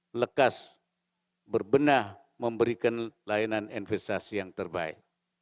melekatkan kemampuan investasi